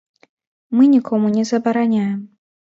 Мы нікому не забараняем.